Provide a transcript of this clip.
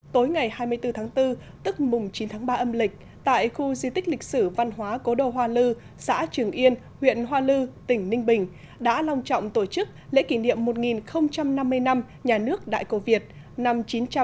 tối ngày hai mươi bốn tháng bốn tức mùng chín tháng ba âm lịch tại khu di tích lịch sử văn hóa cố đô hoa lư xã trường yên huyện hoa lư tỉnh ninh bình đã long trọng tổ chức lễ kỷ niệm một năm mươi năm nhà nước đại cổ việt năm một nghìn chín trăm sáu mươi tám hai nghìn một mươi tám